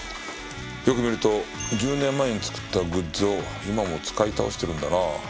よく見ると１０年前に作ったグッズを今も使い倒してるんだなあ。